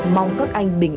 mong các anh bình an